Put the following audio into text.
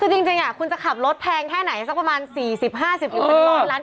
อืมคือจริงคุณจะขับรถแพงแท่ไหนสักประมาณ๔๐๕๐บาทอยู่ในตอนร้าน